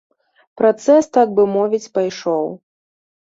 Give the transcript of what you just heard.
Працэс так бы мовіць пайшоў.